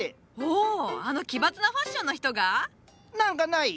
ほあの奇抜なファッションの人が⁉何かない？